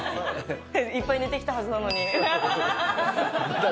いっぱい寝てきたはずなのに。